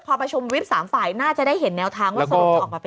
พอประชุมวิบ๓ฝ่ายน่าจะได้เห็นแนวทางว่าสรุปจะออกมาเป็น